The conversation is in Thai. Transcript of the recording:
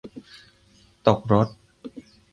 ตกรถ